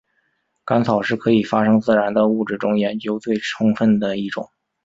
干草是可以发生自燃的物质中研究最充分的一种。